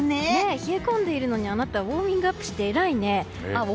冷え込んでいるのにあなたウォーミングアップしてえらいね。